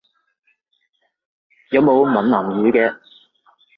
有冇閩南語嘅？